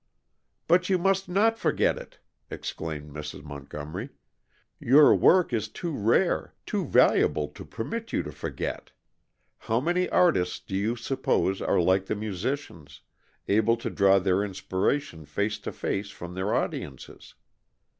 "But you must not forget it!" exclaimed Mrs. Montgomery. "Your work is too rare, too valuable to permit you to forget How many artists, do you suppose, are, like the musicians, able to draw their inspiration face to face from their audiences?